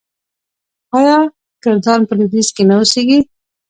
آیا کردان په لویدیځ کې نه اوسیږي؟